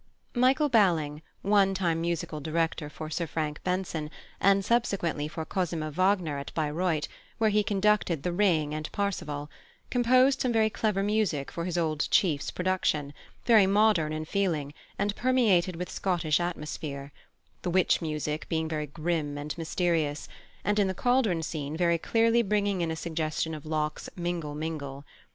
+Michael Balling+, one time musical director for Sir Frank Benson, and subsequently for Cosima Wagner at Bayreuth, where he conducted The Ring and Parsival, composed some very clever music for his old chief's production, very modern in feeling and permeated with Scottish atmosphere: the Witch music being very grim and mysterious, and in the cauldron scene very clearly bringing in a suggestion of Locke's "Mingle, mingle."